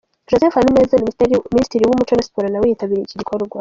Joseph Habineza, minisitiri w'umuco na siporo nawe yitabiriye iki gikorwa.